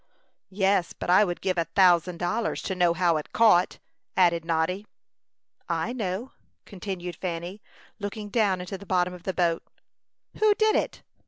"Yes; but I would give a thousand dollars to know how it caught," added Noddy. "I know," continued Fanny, looking down into the bottom of the boat. "Who did it?"